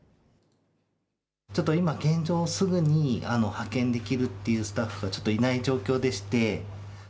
ちょっと今、現状、すぐに派遣できるというスタッフがいない状況でして。